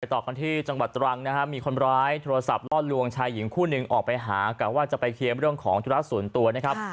ต่อกันที่จังหวัดตรังนะครับมีคนร้ายโทรศัพท์ล่อลวงชายหญิงคู่หนึ่งออกไปหากะว่าจะไปเคลียร์เรื่องของธุระส่วนตัวนะครับ